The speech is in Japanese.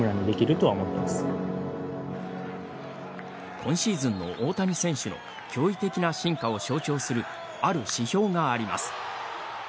今シーズンの大谷選手の驚異的な進化を象徴するある指標があります。